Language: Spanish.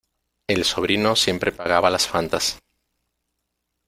El sobrino siempre pagaba las Fantas.